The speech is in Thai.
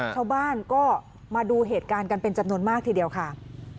ชาวบ้านก็มาดูเหตุการณ์กันเป็นจำนวนมากทีเดียวค่ะ